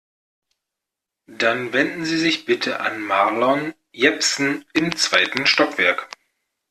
Dann wenden Sie sich bitte an Marlon Jepsen im zweiten Stockwerk.